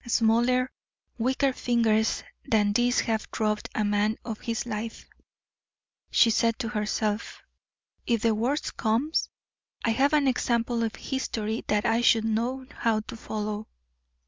"Smaller, weaker fingers than these have robbed a man of his life," she said to herself. "If the worst comes, I have an example in history that I should know how to follow."